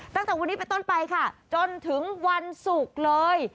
ตั้งแต่วันนี้ไปต้นไปค่ะจนถึงวันศุกร์เลย